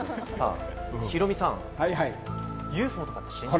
ヒロミさん、ＵＦＯとかって信じますか？